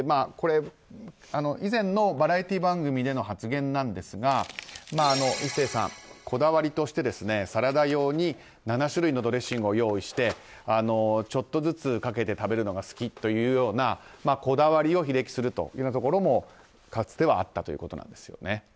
以前のバラエティー番組での発言なんですが壱成さん、こだわりとしてサラダ用に７種類のドレッシングを用意してちょっとずつかけて食べるのが好きというようなこだわりを披れきするというところもかつてはあったということです。